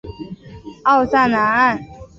奥萨南岸。